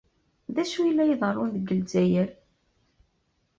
D acu ay la iḍerrun deg Lezzayer?